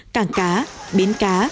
cảng cá bến cá